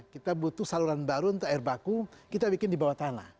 kita butuh saluran baru untuk air baku kita bikin di bawah tanah